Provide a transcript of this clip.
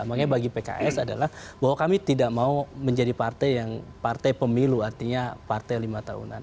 makanya bagi pks adalah bahwa kami tidak mau menjadi partai yang partai pemilu artinya partai lima tahunan